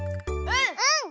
うん！